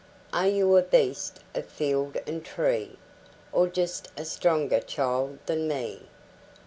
Are you a beast of field and tree, Or just a stronger child than me?